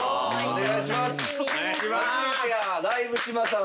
お願いします。